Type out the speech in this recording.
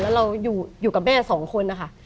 แล้วเราอยู่กับแม่สองคนนะคะ